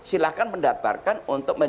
silahkan mendaftarkan undang undang